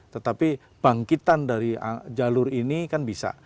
tetapi bangkitan dari jalur ini kan bisa